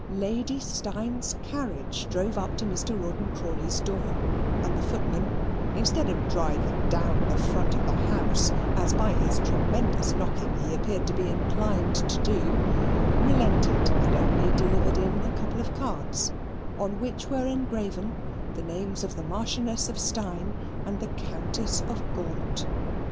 Lady Steyne's carriage drove up to Mr. Rawdon Crawley's door, and the footman, instead of driving down the front of the house, as by his tremendous knocking he appeared to be inclined to do, relented and only delivered in a couple of cards, on which were engraven the names of the Marchioness of Steyne and the Countess of Gaunt.